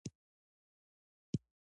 ټیټ مالیات د پانګوالو ګټه ډېروي.